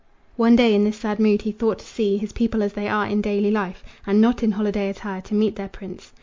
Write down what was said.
One day in this sad mood he thought to see His people as they are in daily life, And not in holiday attire to meet their prince.